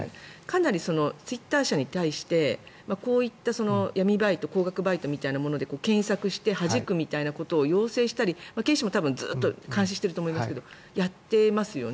かなりツイッター社に対してこういった闇バイト、高額バイトで検索してはじくみたいなことを要請したり警視庁もずっと監視していると思いますがやってますよね。